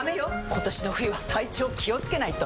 今年の冬は体調気をつけないと！